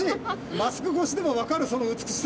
マスク越しでもわかるその美しさ！